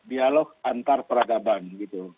dialog antar peragaban gitu